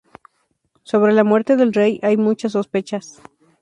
Sobre la muerte del rey, hay muchas sospechas.